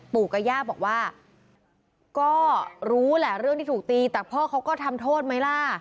ปู่กับย่าบอกว่าก็รู้แหละเรื่องที่ถูกตีแต่พ่อเขาก็ทำโทษไหมล่ะ